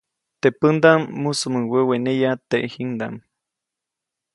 Teʼ pändaʼm mujsumuŋ weweneya tejiʼŋdaʼm.